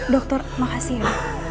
dokter makasih ya